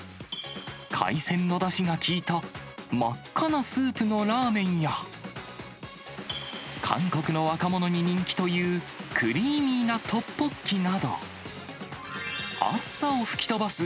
海鮮のだしが効いた真っ赤なスープのラーメンや、韓国の若者に人気という、クリーミーなトッポッキなど、暑さを吹き飛ばす！